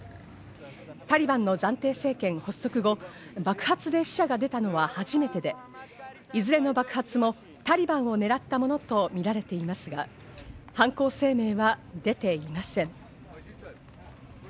タリバンの暫定政権発足後、爆発で死者が出たのは初めてで、いずれの爆発もタリバンをねらったものとみられていますが、犯行声明は出ていません。